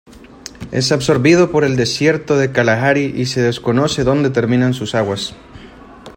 Es absorbido por el desierto de Kalahari y se desconoce dónde terminan sus aguas.